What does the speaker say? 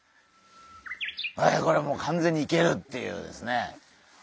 これもう完全にいけるっていうですね。